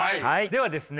ではですね